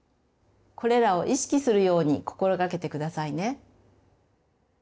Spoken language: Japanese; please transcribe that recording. これらを意識するように心掛けてくださいね。